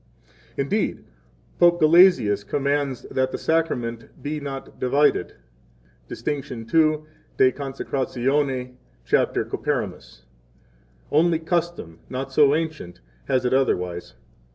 Indeed, Pope Gelasius 7 commands that the Sacrament be not divided (dist. II., De Consecratione, cap. Comperimus). 8 Only custom, not so ancient, has it otherwise.